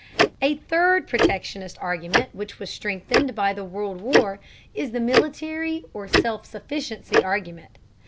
A third protectionist argument which was strengthened by the World War is the military or self sufficiency argument.